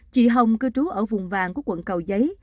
chị hồng cư trú ở vùng vàng của quận cầu giấy